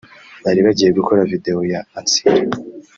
Bari bagiye gukora video ya Ancilla